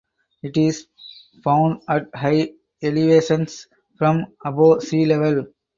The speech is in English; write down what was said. It is found at high elevations from above sea level.